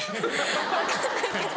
分かんないけど。